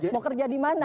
mau kerja dimana gitu